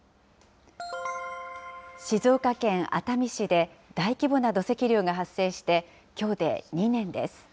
静岡県熱海市で大規模な土石流が発生して、きょうで２年です。